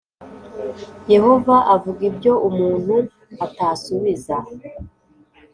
Yehova avuga ibyo umuntu atasubiza